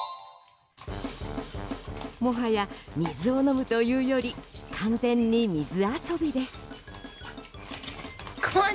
もはや、水を飲むというより完全に水遊びです。